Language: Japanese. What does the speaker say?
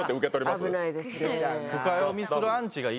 危ないですね。